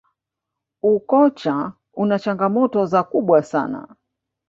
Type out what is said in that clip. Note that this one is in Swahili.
ukocha una changamoto za kubwa sana